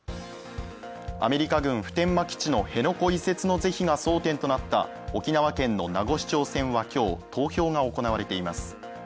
アメリカ軍普天間基地の辺野古移設の是非が争点となった沖縄県の名護市長選は今日、投票が行われています。